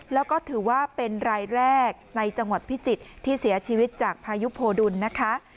แล้วก็ถือว่าเป็นรายแรกในจังหวัดพิจิตรที่เสียชีวิตจากพายุโพดุลนะคะ